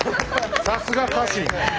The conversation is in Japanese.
さすが家臣。